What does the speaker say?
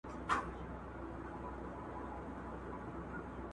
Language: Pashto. موږ د خپل هېواد د آبادۍ لپاره دعا کوو.